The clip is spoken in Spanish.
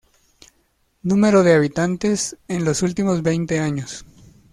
Número de habitantes en los últimos veinte años.